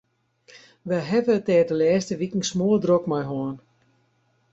Wy hawwe it der de lêste wiken smoardrok mei hân.